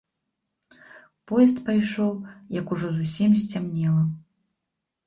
Поезд пайшоў, як ужо зусім сцямнела.